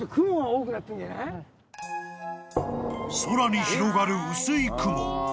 ［空に広がる薄い雲］